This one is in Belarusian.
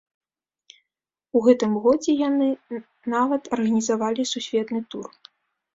У гэтым годзе яны нават арганізавалі сусветны тур.